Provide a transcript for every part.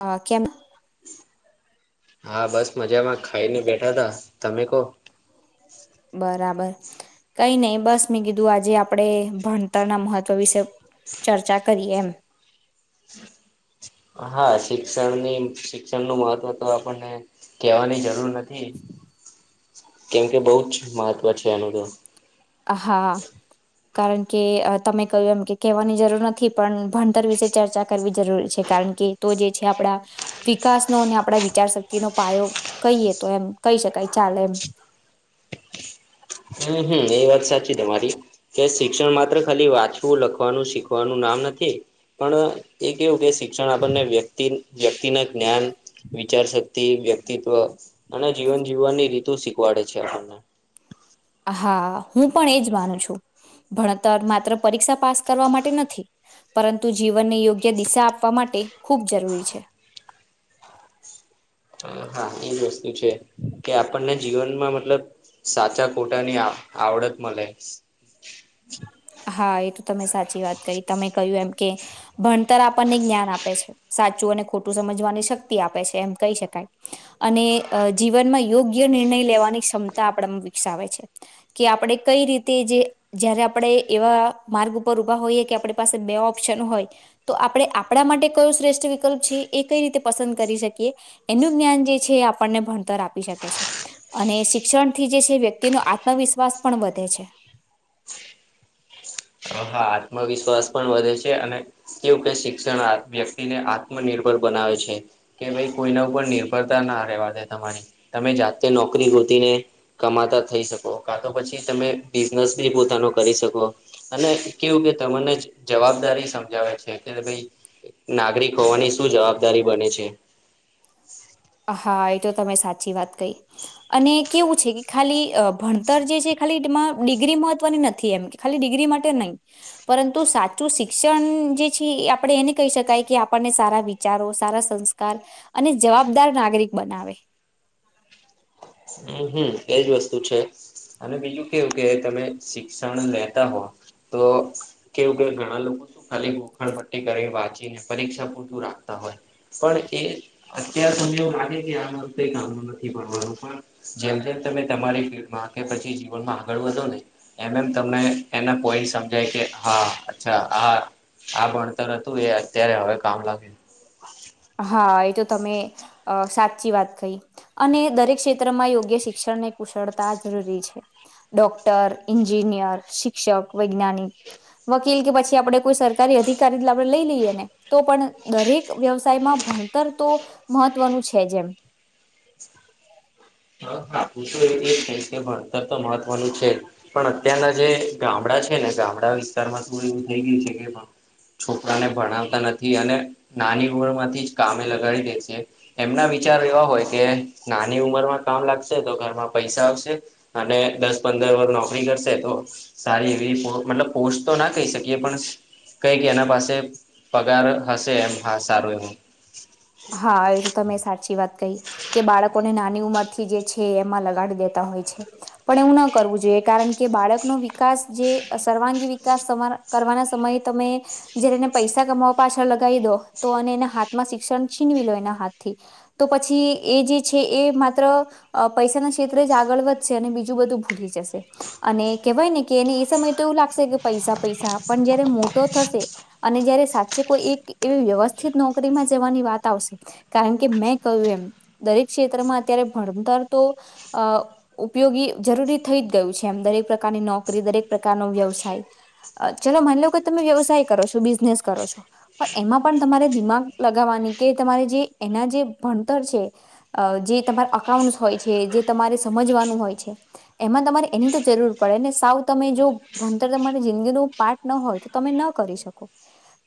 હા કેમ? હા બસ મજામાં ખાઈ ને બેઠા તા, તમે કહો. બરાબર કંઈ નઈ બસ મેં કીધું આજે આપણે ભણતરના મહત્વ વિશે ચર્ચા કરીએ એમ. હા શિક્ષણની શિક્ષણનું મહત્વ તો આપણને કહેવાની જરૂર નથી. એજ કેમ કે બહુ જ મહત્વ છે એનું તો. હા કારણ કે અ તમે કહ્યું એમ કે કહેવાની જરૂર નથી પણ ભણતર વિશે ચર્ચા કરવી જરૂરી છે કારણ કે કે તો જે છે આપણાં વિકાસ નો અને આપણાં વિચાર શક્તિ નો પાયો કહીએ, તો એમ કહી શકાય ચાલે એમ. હમ્મ-હમ્મ. એ વાત સાચી તમારી. કે શિક્ષણ માત્ર ખાલી વાંચવું, લખવાનું, શીખવાનું નામ નથી પણ એ કેવું કે શિક્ષણ આપણને વ્યક્તિ વ્યક્તિના જ્ઞાન, વિચારશક્તિ, વ્યક્તિત્વ અને જીવન જીવવાની રીતો શીખવાડે છે આપણને. હા. હું પણ એજ માનું છું. ભણતર માત્ર પરીક્ષા પાસ કરવા માટે નથી. પરંતુ જીવનને યોગ્ય દિશા આપવા માટે ખૂબ જરૂરી છે. [unintelligible] એ જ વસ્તુ છે. કે આપણને જીવનમાં મતલબ સાચા ખોટાની આ આવડત મલે હા. એ તો તમે સાચી વાત કહી. તમે કહ્યું એમ, કે ભણતર આપણને જ્ઞાન આપે છે. સાચું અને ખોટું સમજવાની શક્તિ આપે છે, એમ કહી શકાય. અને અહ જીવનમાં યોગ્ય નિર્ણય લેવાની ક્ષમતા આપણામાં વિકસાવે છે. કે આપણે કંઈ રીતે જે જયારે આપણે એવા માર્ગ ઉપર ઊભા હોઈએ, કે આપણી પાસે બે ઓપ્શન હોય તો આપણે આપણા માટે કયો શ્રેષ્ઠ વિકલ્પ છે, એ કંઈ રીતે પસંદ કરી શકીએ? એનું જ્ઞાન જે છે એ આપણને ભણતર આપી શકે છે. અને શિક્ષણ થી જે છે એ વ્યક્તિ નો આત્મવિશ્વાસ પણ વધે છે. હા. આત્મવિશ્વાસ પણ વધે છે. અને કેવું કે શિક્ષણ [unintelligible] વ્યક્તિને આત્મનિર્ભર બનાવે છે. કે ભઈ કોઈના ઉપર નિર્ભરતા ના રહેવા દે તમારી. તમે જાતે નોકરી ગોતી ને કમાતા થઈ શકો, કાં તો પછી તમે બિઝનેસ બી પોતાનો કરી શકો. અને કેવું કે તમને જવાબદારી સમજાવે છે, કે ભઈ નાગરિક હોવાની શું જવાબદારી બને છે. હા. એ તો તમે સાચી વાત કહી. અને કેવું છે, કે ખાલી અહ ભણતર જે છે એ ખાલી ડિમાં ડિગ્રી મહત્વની નથી એમ કે ખાલી ડિગ્રી માટે નહીં. પરંતુ સાચું શિક્ષણ જે છે ઈ આપણે એને કહી શકાય કે આપણને સારા વિચ ચારો, સારા સંસ્કાર અને જવાબદાર નાગરિક બનાવે. હમ્મ-હમ્મ. એજ વસ્તુ છે. અને બીજી કેવું કે, તમે શિક્ષણ લેતા હો તો કેવું કે ઘણા લોકો શું ખાલી ગોખણ પટ્ટી કરીન વાંચીને પરીક્ષા પૂરતું રાખતા હોય પણ એ અત્યારે તમને એવું લાગે, કે આ મારું કંઈ કામનું નથી ભણવાનું, પણ જેમ-જેમ તમે તમારી ફિલ્ડમાં, કે પછી જીવનમાં આગળ વધો ને એમ-એમ તમને એના પોઈન્ટ સમજાય કે હા અચ્છા આ. આ ભણતર હતું, એ અત્યારે હવે કામ લાગ્યું. હા એ તો તમે અહ સાચી વાત કહી. અને દરેક ક્ષેત્રમાં યોગ્ય શિક્ષણને કુશળતા જરૂરી છે. ડોક્ટર, એન્જિનિયર, શિક્ષક, વૈજ્ઞાનિક વકીલ કે પછી આપણે કોઈ સરકારી અધિકારી [unintelligible] લઈ લઈએ ને, તો પણ દરેક વ્યવસ સાયમાં ભણતર તો મહત્વનું છે જ એમ. [inaudible] કે ભણતર તો મહત્વનું છે જ. પણ અત્યારના જે ગામડા છે ને, ગામડા વિસ્તારમાં શું એવું થઈ ગયું છે કે [unintelligible] છોકરાવને ભણાવતા નથી. અને નાની ઉંમર માંથી જ કામે લગાડી દે છે. એમના વિચાર એવા હોય કે નાની ઉંમરમાં કામ લાગશે તો ઘરમાં પૈસા આવશે અને દસ પંદર વર નોકરી કરશે તો સારી એવી મતલબ પોસ્ટ તો ના કહી શકીએ પણ કંઈક એના પાસે પગાર હશે એમ હા સારો એવો. હા એ તો તમે સાચી વાત કહી કે બાળકોને નાની ઉંમર થી જે છે એમાં લગાડી દેતા હોય છે. પણ એવુ ન કરવું જોઈએ કારણ કે બાળકનો વિકાસ જે સર્વાંગી વિકાસ કરવાના સમયે તમે જારે એને પૈસા કમાવા પાછળ લગાવી દો તો અને એના હાથમાં શિક્ષણ છીનવી લો એના હાથ થી તો પછી એ જે છે એ માત્ર અ પૈસાના ક્ષેત્રે જ આગળ વધશે અને બીજું બધું ભૂલી જશે અને કેહેવાય ને કે એને એ સમય તો એવું લાગશે કે પૈસા પણ જયારે થશે અને જયારે સાચે કોઈ એક એવી વ્યવસ્થિત નોકરીમાં જવાની વાત આવશે કારણ કે મેં કહ્યું એમ દરેક ક્ષેત્રમાં અત્યારે ભણતર તો ઉપયોગી જરૂરી થઈ જ ગયું છે એમ દરેક પ્રકારની નોકરી દરેક પ્રકારનો વ્યવસાય ચલો માની લો કે તમે વ્યવસાય કરો છો બિઝનેસ કરો છો. પણ એમાં પણ તમારે દિમાગ લગાવવાની કે તમારે જે એના જે ભણતર છે. અ જે તમારા અકાઉન્ટસ હોય છે જે તમારે સમજવાનું હોય છે. એમાં તમારે એની તો જરૂર પડે ને સાવ તમે જો ભણતર તમારી જિંદગીનું પાર્ટ ન હોય તો તમે ન કરી શકો.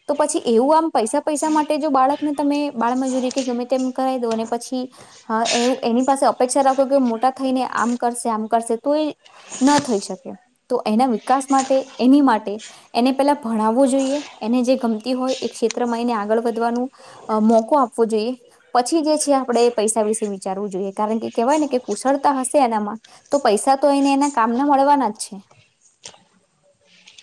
તો પછી એવું આમ પૈસા પૈસા માટે જો બાળકને તમે બાળમજૂરી કે ગમે તેમ કરાવી દો અને પછી હા એ એની પાસે અપેક્ષા રાખો કે મોટા થઈને આમ કરશે આમ કરશે તો એ ન થઈ શકે તો એના વિકાસ માટે એની માટે એને પેલા ભણાવવું જોઈએ એને જે ગમતી હોય એ ક્ષેત્રમાં એને આગળ વધવાનું મોકો આપવો જોઈએ. પછી જે છે આપણે પૈસા વિશે વિચારવું જોઈએ કારણ કે કેહેવાય ને કે કુશળતા હશે એનામાં તો પૈસા તો એને એના કામના મળવાના જ છે.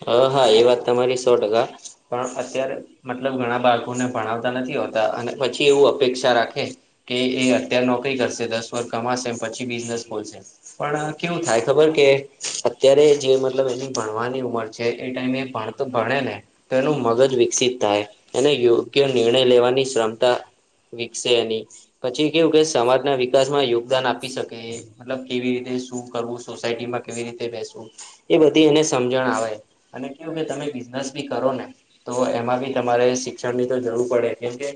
હ હા એ વાત તમારી સો ટકા પણ અત્યારે મતલબ ઘણા બાળકોને ભણાવતા નથી હોતા અને પછી એવું અપેક્ષા રાખે કે એ અત્યારે નોકરી કરશે દસ વર્ષ કમાશે પછી બિઝનેસ ખોલશે. પણ કેવું થાય ખબર કે અત્યારે જે મતલબ એની ભણવાની ઉંમર જે એ ટાઈમે એ ભણતો ભણે ને. તો એનું મગજ વિકસિત થાય એને યોગ્ય નિર્ણય લેવાની ક્ષમતા વિકસે એની પછી કેવું કે સમાજ ના વિકાસમાં યોગદાન આપ આપી શકે મતલબ કેવી રીતે શું કરવું, સોસાયટીમાં કેવી રીતે બેસવું એ બધી એને સમજણ આવે. અને કેવું કે તમે બિઝનેસ બી કરો ને. તો એમાં બી તમારે શિક્ષણ ની તો જરૂર પડે કેમ કે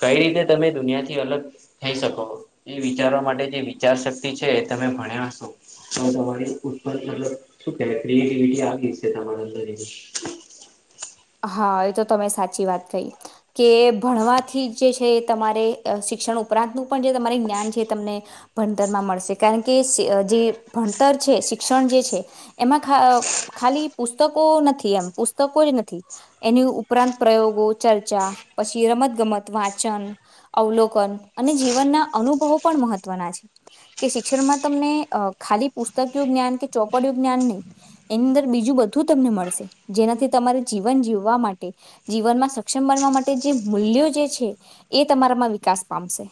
કઈ રીતે તમે દુનિયાથી અલગ થઈ શકો એ વિચારવા માટે જે વિચાર શક્તિ છે એ તમે ભણ્યા હશો. તો તમારી ઉપર મતલબ શું કેવા ક્રિએટિવિટી આવી છે તમારા અંદર એની. હા એ તો તમે સાચી વાત કહી કે ભણવાથી જે છે એ તમારે શિક્ષણ ઉપરાંતનું પણ જે તમારે જ્ઞાન છે તમને ભણતરમાં મળશે કારણ કે જે ભણતર છે શિક્ષણ જે છે. એમાં ખાલી પુસ્તકો નથી એમ પુસ્તકો જ નથી. એની ઉપરાંત પ્રયોગો ચર્ચા પછી રમત ગમત વાંચન અવલોકન અને જીવનના અનુભવો પણ મહત્વના છે. કે શિક્ષણમાં તમને અ ખાલી પુસ્તકયું જ્ઞાન કે ચોપડિયું જ્ઞાન નઈ. એની અંદર બીજું બધું તમને મળશે. જેનાથી તમારે જીવન જીવવા માટે જીવનમાં સક્ષમ બનવા માટે જે મૂલ્યો જે છે. એ તમારામાં વિકાસ પામશે.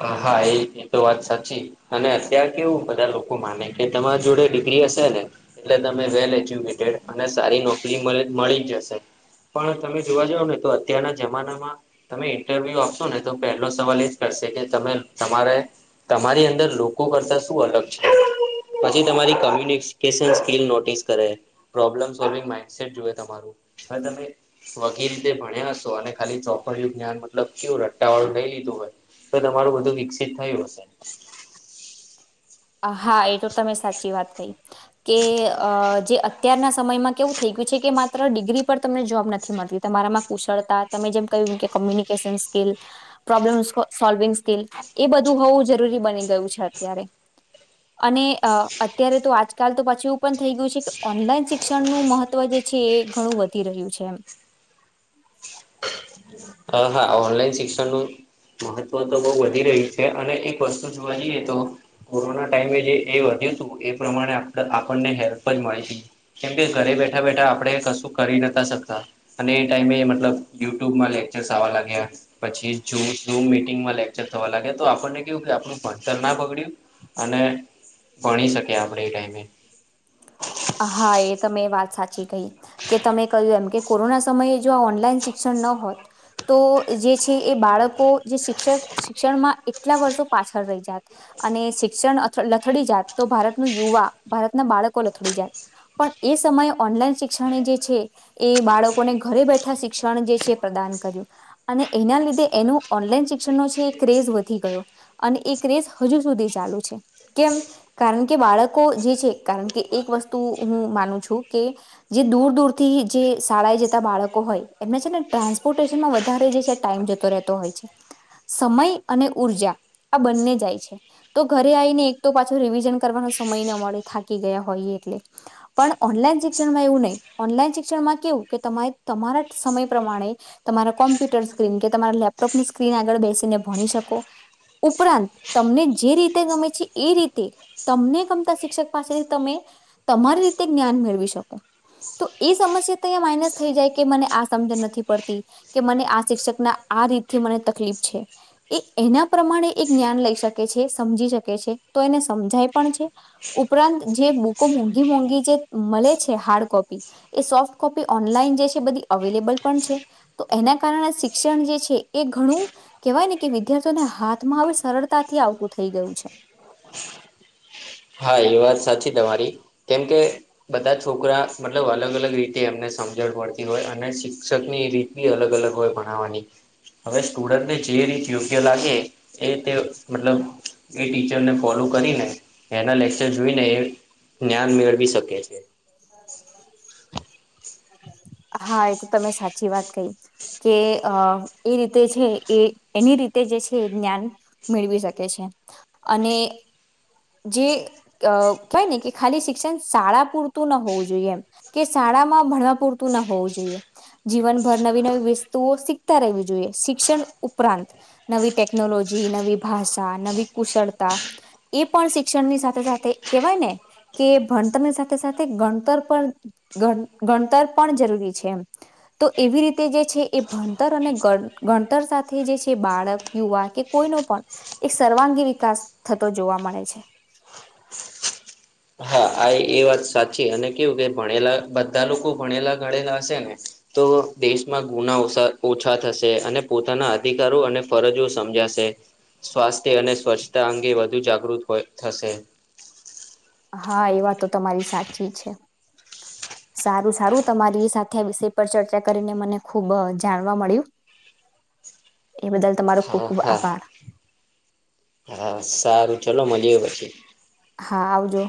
હ, હા, એ તો વાત સાચી. અને અત્યાર કેવું બધા લોકો માને કે તમારી જોડે ડિગ્રી હશે ને એટલે તમે વેલ એજ્યુકેટેડ અને સારી નોકરી મળે મળી જ જશે. પણ તમે જોવા જાવ ને તો અત્યારના જમાનામાં તમે ઇન્ટરવ્યુ આપશો ને તો પહેલો સવાલ એજ કરશે કે તમે તમારે. તમારી અંદર લોકો કરતા શું અલગ છે. પછી તમારી કોમ્યુનિકેશન સ્કીિલ નોટિસ કરે, પ્રોબ્લેમ સોલ્વિંગ માઇન્ડસેટ જોએ તમારું. [unintelligible] તમે વકીલ તે રીતે ભણ્યા હસો અને ખાલી ચોપડીયું જ્ઞાન મતલબ કેવું રાટટ્ટાવાળું લઈ લીધું હોય. તો તમારું બધું વિકસિત થયું હશે. અહા, એ તો તમે સાચી વાત થયી. કે અ જે અત્યારના સમયમાં કેવું થઈ ગયું છે કે માત્ર ડિગ્રી પર તમને જોબ નથી મળતી. તમારામાં કુશળતા તમે જેમ કહ્યું કે communication skill problem solving skill એ બધું હોવું જરૂરી બની ગયું છે અત્યારે. અને અ અત્યારે તો આજકાલ તો પાછું એવું પણ ગ્યું છે કે ઓનલાઈન શિક્ષણનું મહત્વ જે છે એ ઘણું વધી રહ્યું છે એમ. હ હા ઓનલાઈન શિક્ષણનું મહત્વ તો બહુ વધી રહ્યું છે અને એક વસ્તુ જોવા જઈએ તો કોરોના ટાઈમે જે એ વધ્યું તું એ પ્રમાણે આપડા આપણને હેલ્પ પણ મળી તી. કેમ કે ઘરે બેઠા -બેઠા આપણે કશું કરી નતા શકતા. અને એ ટાઈમે મતલબ યુટ્યુબમાં લેક્ચર્સ આવા લાગ્યા. પછી [unintelligible] ઝૂમ મીટિંગમાં લેકચર થવા લાગ્યા તો આપણને કેવું થાય કે આપણું ભણતર ના બગડ્યું. અને ભણી શકીયે આપણે એ ટાઈમે. હા, એ તમે વાત સાચી કહી. કે તમે કહ્યું એમ કે કોરોના સમયે જો આ ઓનલાઈન શિક્ષણ ન હોત. તો જે છે એ બાળકો જે શિક્ષક શિક્ષણમાં એટલા વર્ષો પાછળ રહી જાત. અને શિક્ષણ લ લથડી જાત, તો ભારતનું યુવા ભારતના બાળકો લથડી જાત. પણ એ સમયે ઓનલાઈન શિક્ષણે જે છે. એ બાળકોને ઘરે બેઠા શિક્ષણ જે છે પ્રદાન કર્યું. અને એના લીધે એનું ઓનલાઈન શિક્ષણનો છે એ ક્રેઝ વધી ગયો. અને એ ક્રેઝ હજુ સુધી ચાલુ છે. કેમ કારણ કે બાળકો જે છે કારણ કે એક વસ્તુ હું માનું છું કે. જે દૂર -દૂર થી જે શાળાએ જતા બાળકો હોય એમને છે ને ટ્રાન્સપોર્ટેશનમાં વધારે જે છે ટાઈમ જતો રહેતો હોય છે. સમય અને ઉર્જા આ બંને જાય છે. તો ઘરે આયને તો પાછુ રિવિઝન કરવાનો સમય ન મળે થાકી ગયા હોય એટલે. પણ ઓનલાઈન શિક્ષણમાં એવું નહી. ઓનલાઈન શિક્ષણમાં કેવું કે તમારે તમારા સમય પ્રમાણે તમારા કોમ્પ્યુટર સ્ક્રીન કે તમારા લેપટોપની સ્ક્રીન આગળ બેસીને ભણી શકો. ઉપરાંત તમને જે રીતે ગમે છે. એ રીતે તમને ગમતા શિક્ષક પાસે તમે તમારી રીતે જ્ઞાન મેળવી શકો તો એ સમસ્યા તો માઇનસ થઈ જાય કે મને આ સમજ નથી પડતી કે મને આ શિક્ષક ના આ રીત થી મને તકલીફ છે એ એના પ્રમાણે એ જ્ઞાન લઈ શકે છે સમજી શકે છે તો એને સમજાય પણ છે ઉપરાંત જે બુકો મોંઘી મોંઘી જે મળે છે હાર્ડ કોપી એ સોફ્ટ કોપી ઓનલાઈન જે છે બધી અવેલેબલ પણ છે. તો એના કારણે શિક્ષણ જે છે એ ઘણું કેવાય ને કે વિદ્યાર્થીઓને હાથમાં હવે સરળતાથી આવતું થઈ ગયું છે હા એ વાત સાચી તમારી કેમ કે... બધા છોકરા મતલબ અલગ અલગ રીતે એમને સમજણ પડતી હોય અને શિક્ષક ની રીત અલગ અલગ હોય ભણવાની. હવે સ્ટુડન્ટને જે રીત યોગ્ય લાગે એ તે મતલબ એ ટીચરને ફોલો કરીને એના લેક્ચર જોઈને એ જ્ઞાન મેળવી શકે છે. હા એ તો તમે સાચી વાત કહી કે અ એ રીતે છે એ એની રીતે જે છે એ જ્ઞાન મેળવી શકે છે અને જે કહેવાય ને કે ખાલી શિક્ષણ શાળા પૂર તું ન‌ હોવું જોઈએ એમ, કે શાળામાં ભણવા પૂરતું ન હોવું જોઈએ. જીવનભર નવી નવી વસ્તુઓ શીખતા રહેવી જોઈએ શિક્ષણ ઉપરાંત નવી ટેક્નોલોજી, નવી ભાષા, નવી કુશળતા એ પણ શિક્ષણ ની સાથે સાથે કહેવાય ને કે ભણતરની સાથે સાથે કે ગણતર પણ ગણ ગણતર પણ જરૂરી છે એમ. તો એવી રીતે જે છે એ ભણતર અને ગણ‌ ગણતર સાથે જે છે બાળક યુવા કે કોઈનો પણ એક સર્વાંગી વિકાસ થતો જોવા મળે છે. હા આ એ વાત સાચી અને કેવું કે ભણેલા બધા લોકો ભણેલા ગણેેલા હશે ને તો દેશમાં ગુના ઓસા ઓછા થશે અને પોતાના અધિકારો અને ફરજો સમજાશે. સ્વાસ્થ્ય અને સ્વચ્છતા અંગે વધુ જાગૃત હોય થશે. હા એ વાત તો તમારી સાચી છે. સારું સારું તમારી સાથે આ વિષય પર ચર્ચા કરીને મને ખુબ જાણવા મળ્યું એ બદલ તમારો ખુબ હા ખુબ હા આભાર. હા સારું ચલો મળીએ પછી. હા આવજો.